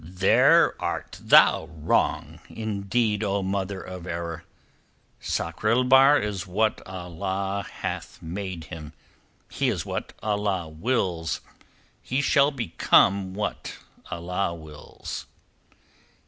"There art thou wrong, indeed, O mother of error. Sakr el Bahr is what Allah hath made him. He is what Allah wills. He shall become what Allah wills.